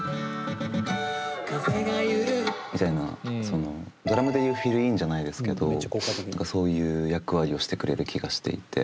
みたいなそのドラムでいうフィルインじゃないですけどそういう役割をしてくれる気がしていて。